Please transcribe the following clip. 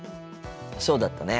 そうだったね。